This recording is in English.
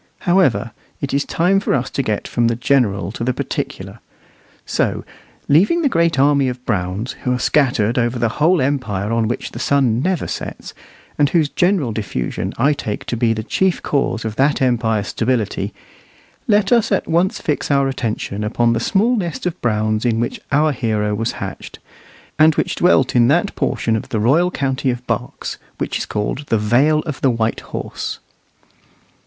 However, it is time for us to get from the general to the particular; so, leaving the great army of Browns, who are scattered over the whole empire on which the sun never sets, and whose general diffusion I take to be the chief cause of that empire's stability; let us at once fix our attention upon the small nest of Browns in which our hero was hatched, and which dwelt in that portion of the royal county of Berks which is called the Vale of White Horse.